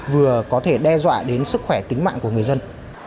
vừa có thể đe dọa đến sức khỏe tính mạng của người dân